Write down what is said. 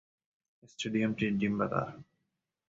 স্টেডিয়ামটি ডিম্বাকার।